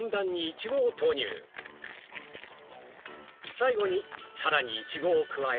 最後にさらにいちごを加え